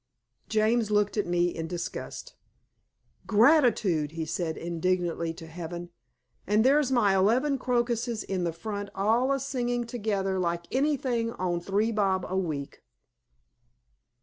James looked at me in disgust. "Gratitude!" he said indignantly to Heaven. "And there's my eleven crocuses in the front all a singing together like anything on three bob a week!"